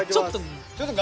ちょっと。